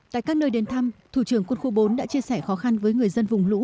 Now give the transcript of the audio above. tại các nơi đến thăm thủ trưởng quân khu bốn đã chia sẻ khó khăn với người dân vùng lũ